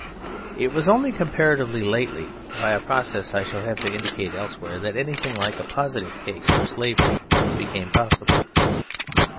It was only comparatively lately, by a process I shall have to indicate elsewhere, that anything like a positive case for slavery became possible.